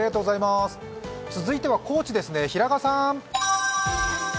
続いては高知ですね平賀さん。